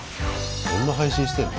どんな配信してんの？